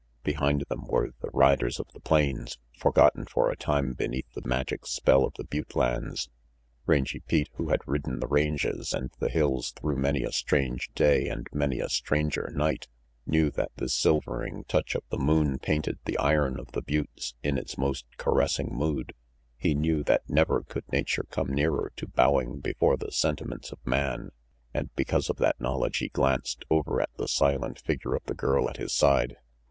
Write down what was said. Behind them were the riders of the plains, forgotten for a tune beneath the magic spell of the butte lands. Rangy Pete, who had ridden the ranges and the hills through many a strange day and many a stranger night, knew that this silvering touch of the 306 RANGY PETE 307 moon painted the iron of the buttes in its most caressing mood; he knew that never could nature come nearer to bowing before the sentiments of man; and because of that knowledge he glanced over at the silent figure of the girl at his side.